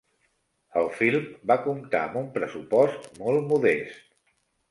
El film va comptar amb un pressupost molt modest.